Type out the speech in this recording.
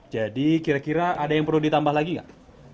jadi kira kira ada yang perlu ditambah lagi gak